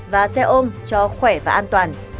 và xe ôm cho khỏe và an toàn